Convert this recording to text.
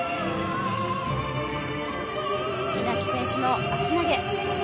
稲木選手の足投げ。